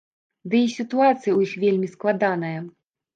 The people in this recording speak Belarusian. Ды й сітуацыя ў іх вельмі складаная.